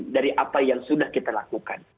dari apa yang sudah kita lakukan